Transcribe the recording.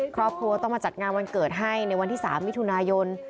ครอบครัวต้องมาจัดงานวันเกิดให้ในวันที่๓มิถุนายน